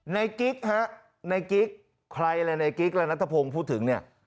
ในกริ๊กใครในกริ๊กและนัทพงศ์พูดถึงเนี่ย